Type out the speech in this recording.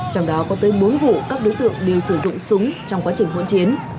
trong đó có tới bốn vụ các đối tượng đều sử dụng súng trong quá trình hỗn chiến